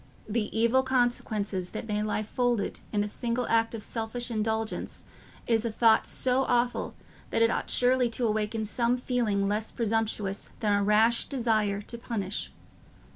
The evil consequences that may lie folded in a single act of selfish indulgence is a thought so awful that it ought surely to awaken some feeling less presumptuous than a rash desire to punish.